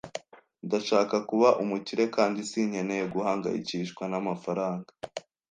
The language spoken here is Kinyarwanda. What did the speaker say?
Ndashaka kuba umukire kandi sinkeneye guhangayikishwa n'amafaranga.